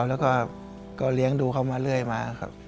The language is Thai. แล้วก็เลี้ยงดูเขามาเรื่อยมาครับ